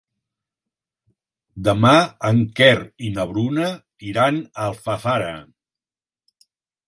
Demà en Quer i na Bruna iran a Alfafara.